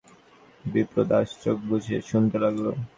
বিপ্রদাস চোখ বুজে শুনতে লাগল।